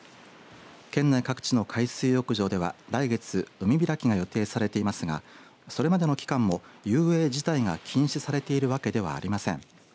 県内各地の海水浴場では来月海開きが予定されていますがそれまでの期間も遊泳自体が禁止されているわけではありません。